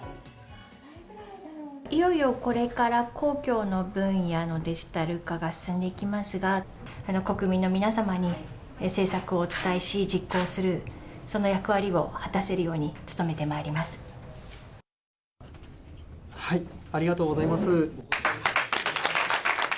いよいよこれから、公共の分野のデジタル化が進んでいきますが、国民の皆様に政策をお伝えし、実行する、その役割を果たせるよはい、ありがとうございます。